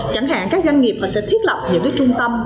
chẳng hạn các doanh nghiệp sẽ thiết lập những trung tâm